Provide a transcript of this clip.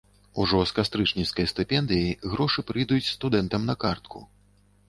Ужо з кастрычніцкай стыпендыяй грошы прыйдуць студэнтам на картку.